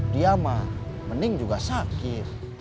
dia mah mending juga sakit